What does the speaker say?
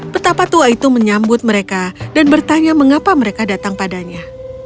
petapa tua itu menyambut mereka dan bertanya mengapa mereka datang padanya